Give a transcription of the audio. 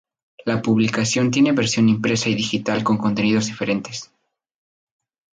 La publicación tiene versión impresa y digital con contenidos diferentes.